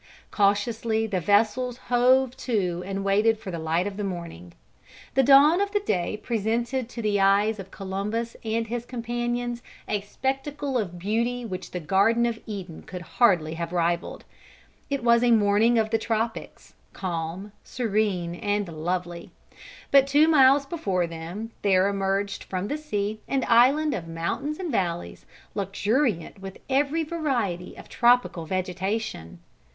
Cautiously the vessels hove to and waited for the light of the morning. The dawn of day presented to the eyes of Columbus and his companions a spectacle of beauty which the garden of Eden could hardly have rivalled. It was a morning of the tropics, calm, serene and lovely. But two miles before them there emerged from the sea an island of mountains and valleys, luxuriant with every variety of tropical vegetation.